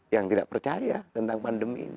yang tidak percaya tentang pandemi ini